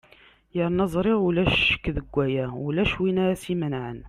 yernu ẓriɣ ulac ccek deg waya ulac win ara s-imenɛen